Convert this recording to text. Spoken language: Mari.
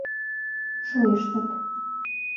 Шойыштыт...